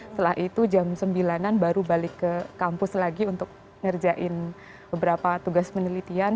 setelah itu jam sembilan an baru balik ke kampus lagi untuk ngerjain beberapa tugas penelitian